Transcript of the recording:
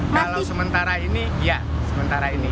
kalau sementara ini ya